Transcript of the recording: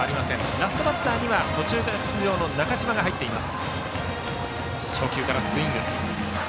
ラストバッターには途中出場の中島が入っています。